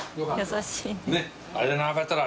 優しい。